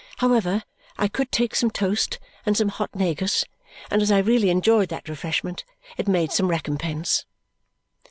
However, I could take some toast and some hot negus, and as I really enjoyed that refreshment, it made some recompense.